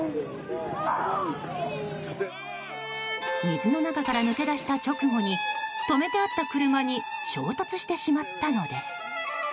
水の中から抜け出した直後に止めてあった車に衝突してしまったのです。